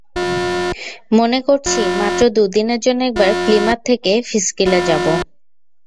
মনে করছি, মাত্র দু-দিনের জন্য একবার প্লিমাথ থেকে ফিশকিলে যাব।